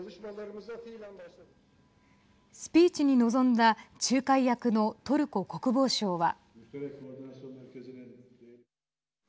スピーチに臨んだ仲介役のトルコ国防相は。